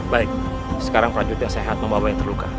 baik sekarang prajurit yang sehat membawa yang terluka